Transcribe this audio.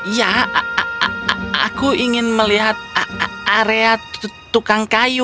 ya aku ingin melihat area tukang kayu